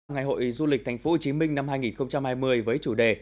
ngày hội du lịch tp hcm năm hai nghìn hai mươi với chủ đề